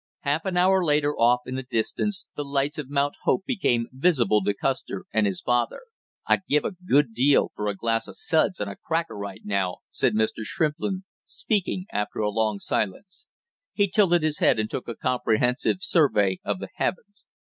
Half an hour later, off in the distance, the lights of Mount Hope became visible to Custer and his father. "I'd give a good deal for a glass of suds and a cracker right now!" said Mr. Shrimplin, speaking after a long silence. He tilted his head and took a comprehensive survey of the heavens.